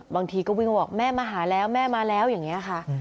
บางทีก็วิ่งมาบอกแม่มาหาแล้วแม่มาแล้วอย่างนี้ค่ะ